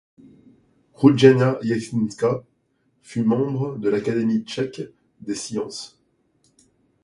Růžena Jesenská fut membre de l'Académie tchèque des sciences.